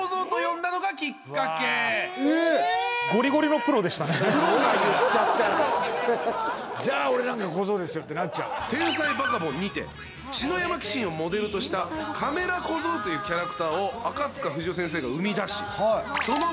プロが言っちゃったらじゃあ俺なんか小僧ですよってなっちゃうわ「天才バカボン」にて篠山紀信をモデルとしたカメラ小僧というキャラクターを赤塚不二夫先生が生み出しその後